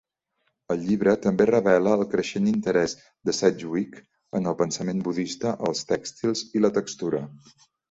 El llibre també revela el creixent interès de Sedgwick en el pensament budista, els tèxtils i la textura.